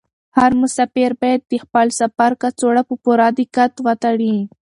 هر مسافر باید د خپل سفر کڅوړه په پوره دقت وتړي.